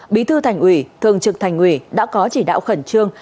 bí thư thành ủy thường trực thành ủy đã có chỉ đạo khẩn trương